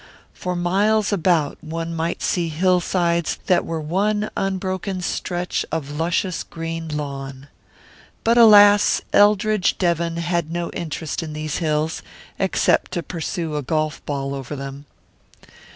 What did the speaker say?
For miles about one might see hillsides that were one unbroken stretch of luscious green lawn. But alas, Eldridge Devon had no interest in these hills, except to pursue a golf ball over them.